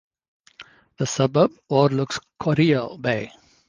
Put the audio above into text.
The suburb overlooks Corio Bay.